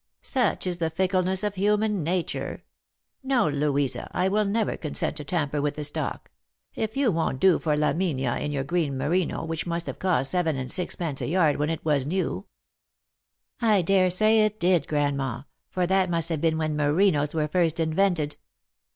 Such is the fickleness of human nature. No, Louisa, I ■will never consent to tamper with the stock. If you won't do for Laminia in your green merino, which must have cost seven' and sixpence a yard when it was new " "I daresay it did, grandma; for that must have been wherj merinoes were first invented."